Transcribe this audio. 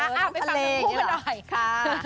อ้าวไปฟังลืมพูขาหน่อยค่ะ